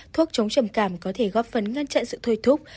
thuốc chống trầm cảm có thể góp phần ngăn chặn sự thôi thúc